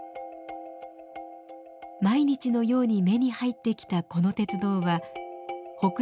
毎日のように目に入ってきたこの鉄道は北陸鉄道金名線。